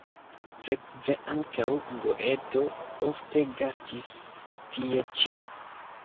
Sekve ankaŭ Goeto ofte gastis tie ĉi.